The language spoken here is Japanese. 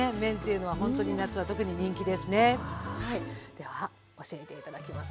では教えて頂きます。